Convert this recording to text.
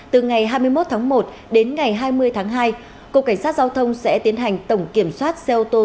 từ ngày hai mươi một tháng một đến ngày hai mươi tháng hai cục cảnh sát giao thông sẽ tiến hành tổng kiểm soát xe ô tô